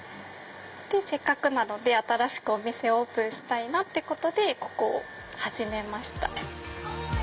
せっかくなので新しくお店をオープンしたいってことでここを始めました。